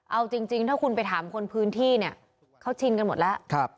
เอาจริงถ้าคุณไปถามคนพื้นที่เนี่ยเขาชินกันหมดแล้ว